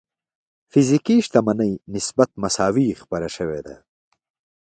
فزيکي شتمنۍ نسبت مساوي خپره شوې ده.